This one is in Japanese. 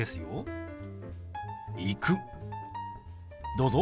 どうぞ。